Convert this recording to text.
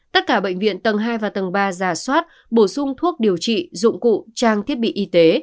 tất cả bệnh viện tầng hai và tầng ba giả soát bổ sung thuốc điều trị dụng cụ trang thiết bị y tế